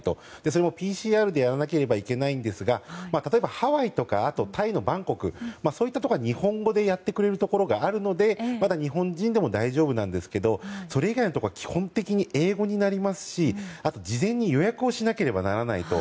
それもＰＣＲでやらなければいけないんですが例えばハワイやタイのバンコクそういったところは日本語でやってくれるところがあるので日本人でも大丈夫なんですけどそれ以外のところは基本的に英語になりますしあと、事前に予約をしなければならないと。